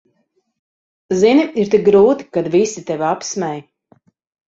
Zini, ir tik grūti, kad visi tevi apsmej.